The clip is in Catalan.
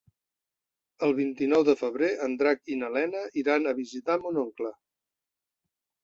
El vint-i-nou de febrer en Drac i na Lena iran a visitar mon oncle.